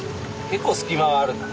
結構隙間はあるな。